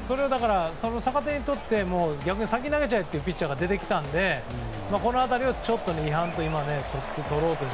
それを逆手にとって逆に先に投げちゃえというピッチャーが出てきたのでこの辺りは違反というか。